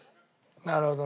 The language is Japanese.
なるほどね。